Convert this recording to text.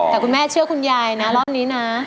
แต่คุณแม่เชื่อคุณยายนะรอบนี้นะ